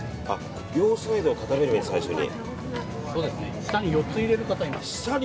両サイドを固めればいい、最初に。